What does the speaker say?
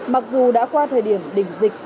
mặc dù đã qua thời điểm đỉnh dịch